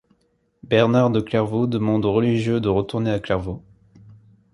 Bernard de Clairvaux demande aux religieux de retourner à Clairvaux.